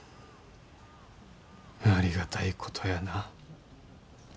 ありがたいことやな。